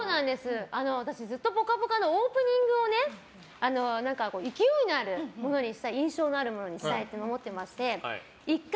私、ずっと「ぽかぽか」のオープニングを勢いのあるものにしたい印象のあるものにしたいと思っていまして。